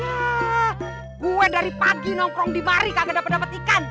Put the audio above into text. yaaa gue dari pagi nongkrong dimari kagak dapet dapet ikan